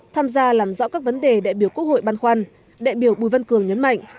tham gia làm rõ các vấn đề đại biểu quốc hội ban khoan đại biểu bùi văn cường nhấn mạnh